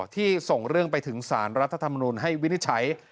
ที่ส่งเรื่องไปถึงสารรัฐธรรมนุนให้วินิจฉัย